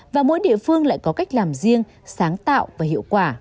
và mỗi địa phương lại có cách làm riêng sáng tạo và hiệu quả